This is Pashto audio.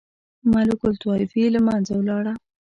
ملوک الطوایفي له منځه ولاړه.